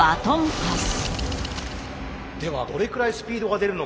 ではどれくらいスピードが出るのか。